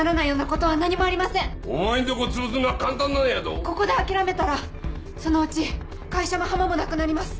ここで諦めたらそのうち会社も浜もなくなります。